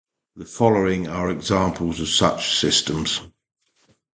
The following are examples of such systems.